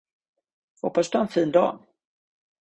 Hoppas att du har en fin dag!